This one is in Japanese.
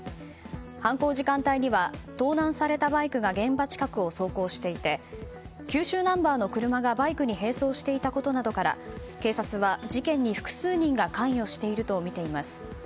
犯行時間帯には盗難されバイクが現場近くを走行していて九州ナンバーの車が、バイクに並走していたことなどから警察は事件に複数人が関与しているとみています。